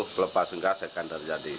pelepasan gas akan terjadi